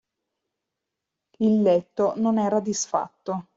Il letto non era disfatto.